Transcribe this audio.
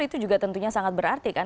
itu juga tentunya sangat berarti kan